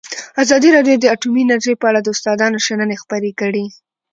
ازادي راډیو د اټومي انرژي په اړه د استادانو شننې خپرې کړي.